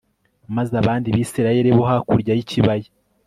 maze abandi bisirayeli bo hakurya y ikibaya